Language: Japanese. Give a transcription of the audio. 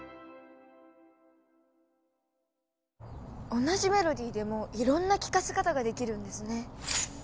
同じメロディーでもいろんな聞かせ方ができるんですね。